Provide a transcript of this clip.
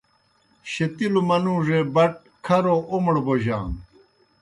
شیتِلوْ منُوڙے بٹ کھرو اومڑ بوجانوْ